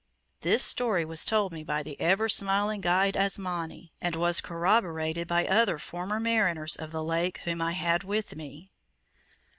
This story was told me by the ever smiling guide Asmani, and was corroborated by other former mariners of the lake whom I had with me.